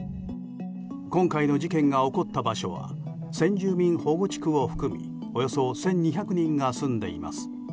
今回の事件が起こった場所は先住民保護地区を含みおよそ１２００人が住んでいます。